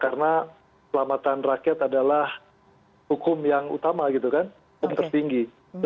karena selamatan rakyat adalah hukum yang utama gitu kan hukum tertinggi